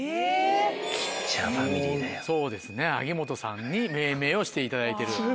そうですね萩本さんに命名をしていただいてる。